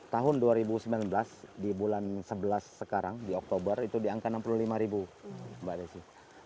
tahun dua ribu sembilan belas di bulan sebelas sekarang di oktober itu di angka enam puluh lima ribu mbak desi